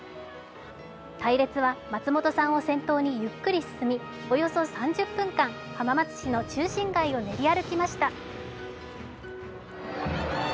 隊列は松本さんを先頭にゆっくり進みおよそ３０分間、浜松市の中心街を練り歩きました。